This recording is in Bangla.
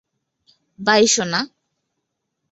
বাই, সোনা।